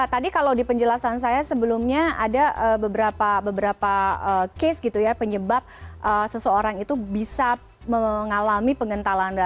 tadi kalau di penjelasan saya sebelumnya ada beberapa case gitu ya penyebab seseorang itu bisa mengalami pengentalan darah